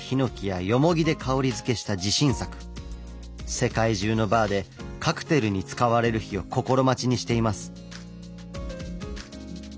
世界中のバーでカクテルに使われる日を心待ちにしています。